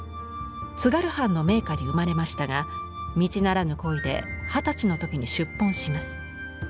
津軽藩の名家に生まれましたが道ならぬ恋で二十歳の時に出奔します。